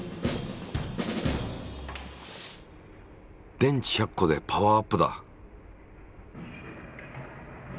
電池１００個でパワーアップだ。